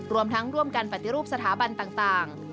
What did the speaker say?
รวมทั้งร่วมกันปฏิรูปสถาบันต่าง